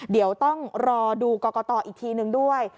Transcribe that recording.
เดี๋ยวต้องรอดูกรกตอีกทีนึงด้วย